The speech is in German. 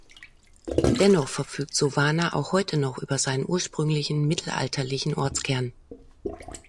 Dennoch verfügt Sovana auch heute noch über seinen ursprünglichen, mittelalterlichen Ortskern.